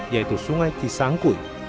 yaitu sungai cisangkui